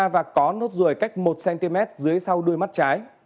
và có nốt ruồi cách một cm dưới sau đuôi mắt trái